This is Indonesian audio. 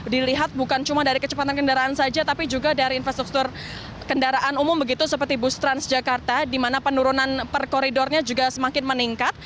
dilihat bukan cuma dari kecepatan kendaraan saja tapi juga dari infrastruktur kendaraan umum begitu seperti bus transjakarta di mana penurunan per koridornya juga semakin meningkat